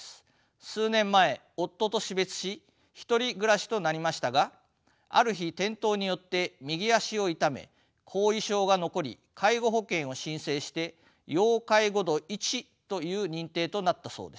数年前夫と死別し１人暮らしとなりましたがある日転倒によって右足を痛め後遺症が残り介護保険を申請して要介護度１という認定となったそうです。